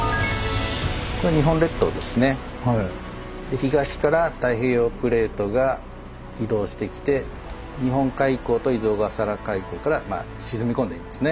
東から太平洋プレートが移動してきて日本海溝と伊豆・小笠原海溝から沈み込んでいますね。